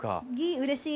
うれしい！